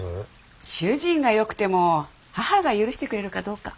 主人がよくても母が許してくれるかどうか。